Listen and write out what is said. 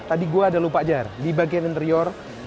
tadi gue ada lupa jar di bagian interior